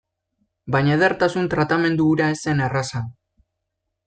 Baina edertasun tratamendu hura ez zen erraza.